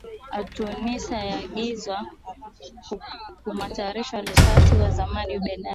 a tunisia ya agizwa kukamatwa rais wake wa zamani ben ali